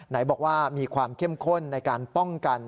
ไหนบอกว่ามีความเข้มข้นในการป้องกัน